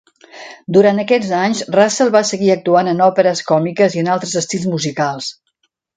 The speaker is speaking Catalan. Durant aquests anys, Russell va seguir actuant en òperes còmiques i en altres estils musicals.